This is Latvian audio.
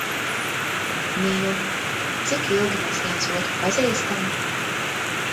Nīl, cik ilgi mēs viens otru pazīstam?